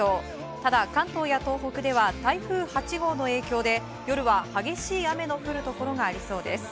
ただ、関東や東北では台風８号の影響で夜は激しい雨の降るところがありそうです。